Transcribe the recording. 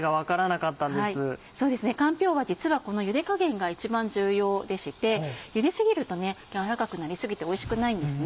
かんぴょうは実はこのゆで加減が一番重要でしてゆで過ぎると軟らかくなり過ぎておいしくないんですね。